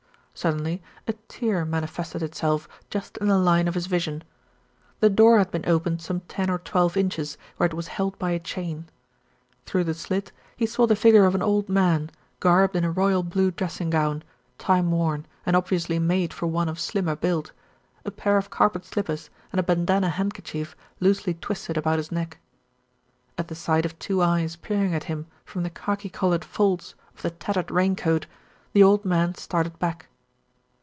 Suddenly a tear manifested itself just in the line of his vision. The door had been opened some ten or twelve inches where it was held by a chain. Through the slit, he saw the figure of an old man, garbed in a royal blue dressing gown, time worn and obviously made for one of slimmer build, a pair of carpet slippers and a bandana handkerchief loosely twisted about his neck. At the sight of two eyes peering at him from the khaki coloured folds of the tattered rain coat, the old man started back.